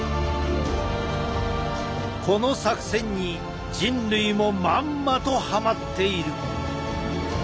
この作戦に人類もまんまとはまっている。